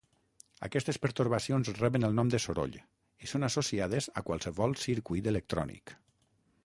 Aquestes pertorbacions reben el nom de soroll i són associades a qualsevol circuit electrònic.